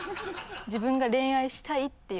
自分が恋愛したいっていう。